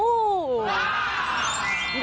ว้าว